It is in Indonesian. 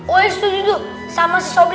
ustazah itu sama si sobri